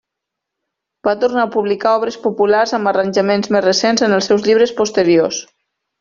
Va tornar a publicar obres populars amb arranjaments més recents en els seus llibres posteriors.